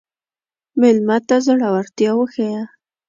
مېلمه ته زړورتیا وښیه.